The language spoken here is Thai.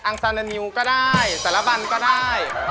อังสารเดอร์นิวก็ได้สระบันก็ได้